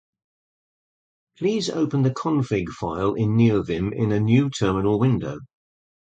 please open the config file in neovim in a new terminal window